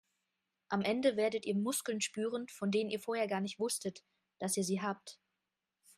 Am Ende werdet ihr Muskeln spüren, von denen ihr vorher gar nicht wusstet, dass ihr sie habt.